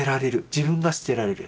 自分が捨てられる。